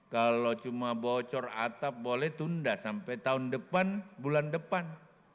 kalau cuma bocor atap boleh tunda sampai tahun depan bulan depan